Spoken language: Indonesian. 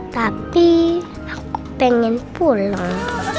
tapi aku pengen pulang